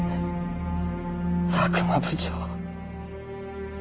佐久間部長。